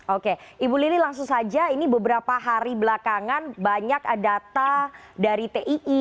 oke ibu lili langsung saja ini beberapa hari belakangan banyak data dari tii